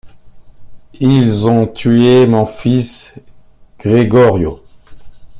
Ils ont tué mon fils Grégorio.